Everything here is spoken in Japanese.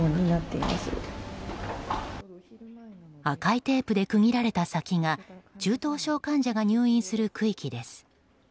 赤いテープで区切られた先が中等症患者が入院する区域です。